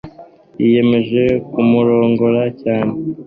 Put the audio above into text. yiyemeje kumurongora cyane